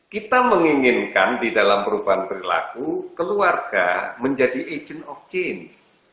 kita menginginkan di dalam perubahan perilaku keluarga menjadi agent of change